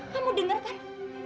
kamu dengar kak